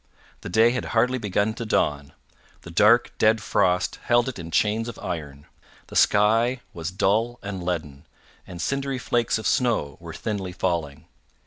The day had hardly begun to dawn. The dark dead frost held it in chains of iron. The sky was dull and leaden, and cindery flakes of snow were thinly falling.